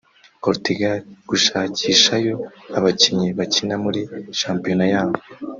Portugal gushakishayo abakinnyi bakina muri shampiyona yaho